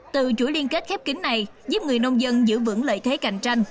từ chuỗi liên kết khép kính này giúp người nông dân giữ vững lợi thế cạnh tranh